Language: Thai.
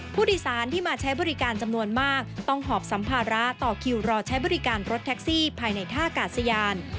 ผู้โดยสารที่มาใช้บริการจำนวนมากต้องหอบสัมภาระต่อคิวรอใช้บริการรถแท็กซี่ภายในท่ากาศยาน